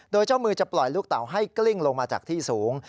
โดยเจ้ามือจะปล่อยลูกเต่าให้กลิ้งลงมาจากที่สูง